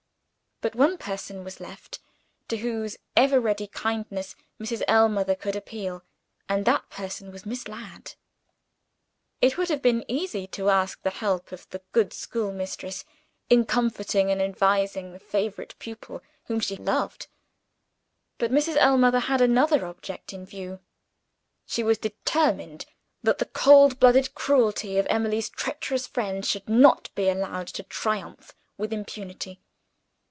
But one person was left, to whose ever ready kindness Mrs. Ellmother could appeal and that person was Miss Ladd. It would have been easy to ask the help of the good schoolmistress in comforting and advising the favorite pupil whom she loved. But Mrs. Ellmother had another object in view: she was determined that the cold blooded cruelty of Emily's treacherous friend should not be allowed to triumph with impunity.